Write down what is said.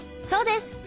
そうです。